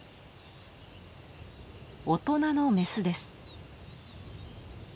大人のメスです。